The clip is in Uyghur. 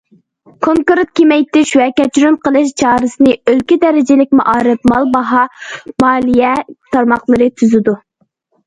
كونكرېت كېمەيتىش ۋە كەچۈرۈم قىلىش چارىسىنى ئۆلكە دەرىجىلىك مائارىپ، مال باھا، مالىيە تارماقلىرى تۈزىدۇ.